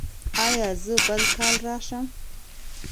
ایا زه بل کال راشم؟